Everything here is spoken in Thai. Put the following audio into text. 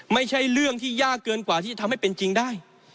ไม่ใช่เรื่องที่ยากเกินกว่าที่จะทำให้เป็นจริงได้